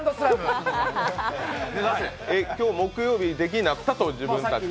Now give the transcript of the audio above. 今日木曜日、出禁になったと自分たちで？